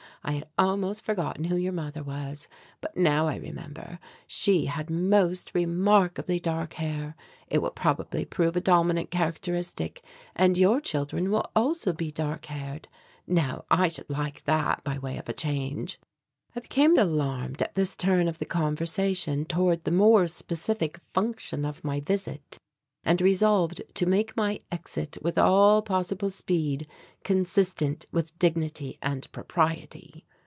I had almost forgotten who your mother was, but now I remember, she had most remarkably dark hair. It will probably prove a dominant characteristic and your children will also be dark haired. Now I should like that by way of a change." I became alarmed at this turn of the conversation toward the more specific function of my visit, and resolved to make my exit with all possible speed "consistent with dignity and propriety."